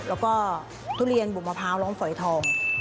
แล้วก็ทุเรียนบุบมะพร้าวร้องฝอยทอง